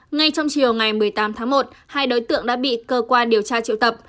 ngay trong chiều ngày một mươi tám tháng một hai đối tượng đã bị cơ quan điều tra triệu tập